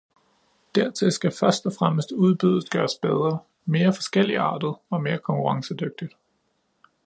Dertil skal først og fremmest udbuddet gøres bedre, mere forskelligartet og mere konkurrencedygtigt.